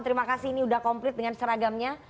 terima kasih ini sudah komplit dengan seragamnya